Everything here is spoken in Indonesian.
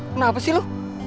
kenapa sih lu